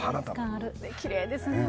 きれいですね。